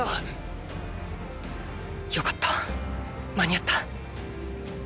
よかった間に合った！